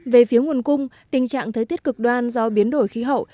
về phía nguồn cung tình trạng thời tiết cực đoan do biến đổi khí hậu